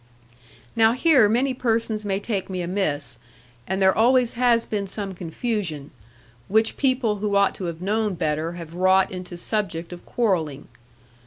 Now here many persons may take me amiss, and there always has been some confusion; which people who ought to have known better have wrought into subject of quarrelling.